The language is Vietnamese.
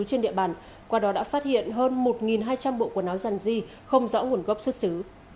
trên địa bàn qua đó đã phát hiện hơn một hai trăm linh bộ quần áo dân di không rõ nguồn gốc xuất xứ